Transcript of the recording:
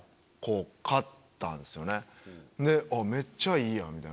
めっちゃいいやん！みたいな。